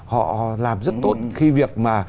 họ làm rất tốt khi việc mà